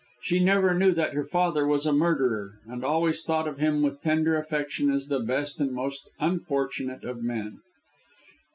She never knew that her father was a murderer, and always thought of him with tender affection as the best and most unfortunate of men.